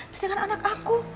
sedangkan anak aku